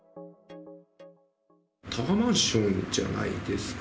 タワーマンションじゃないですか。